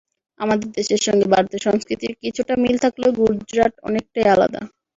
আমাদের দেশের সঙ্গে ভারতের সংস্কৃতির কিছুটা মিল থাকলেও গুজরাট অনেকটাই আলাদা।